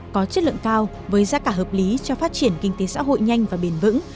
có chất lượng cao với giá cả hợp lý cho phát triển kinh tế xã hội nhanh và bền vững